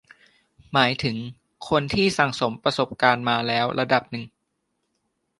หมายถึงคนที่สั่งสมประสบการณ์มาแล้วระดับหนึ่ง